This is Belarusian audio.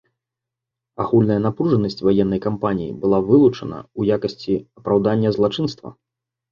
Агульная напружанасць ваеннай кампаніі была вылучана ў якасці апраўдання злачынства.